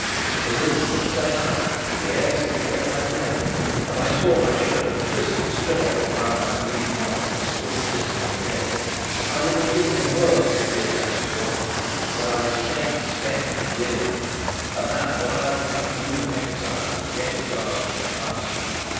To listen, say I? Yes, and to get my breath: and I tore my shirt and twisted a strip of it round my bleeding arm; and stood listening again. I would have given the world to hear Sapt's voice. For I was faint, spent, and weary. And that wild cat Rupert Hentzau was yet at large in the Castle.